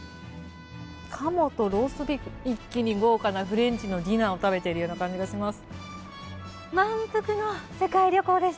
カモとローストビーフ一気に豪華なフレンチのディナーを食べている気分がします。